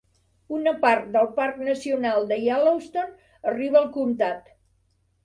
Una part del Parc nacional de Yellowstone arriba al comtat.